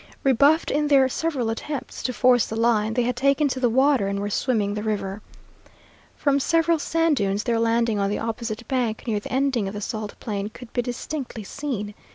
Rebuffed in their several attempts to force the line, they had taken to the water and were swimming the river. From several sand dunes their landing on the opposite bank near the ending of the salt plain could be distinctly seen.